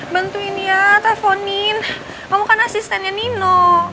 bantuin ya teleponin kamu kan asistennya nino